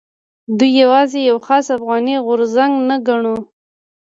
دوی یوازې یو خاص افغاني غورځنګ نه ګڼو.